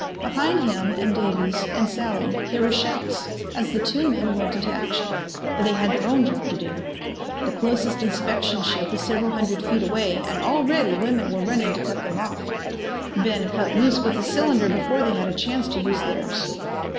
Behind him and Davies and Sally there were shouts as the two men went into action. But they had their own job to do. The closest inspection ship was several hundred feet away and already women were running to cut them off. Ben cut loose with his cylinder before they had a chance to use theirs.